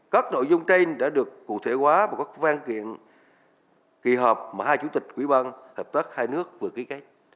các nội dung trên đã được cụ thể hóa bằng các văn kiện kỳ họp mà hai chủ tịch quỹ ban hợp tác hai nước vừa ký kết